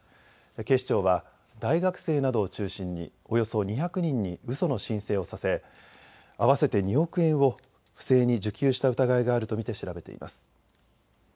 警視庁は大学生などを中心におよそ２００人にうその申請をさせ合わせて２億円を不正に受給した疑いがあると見て調べています。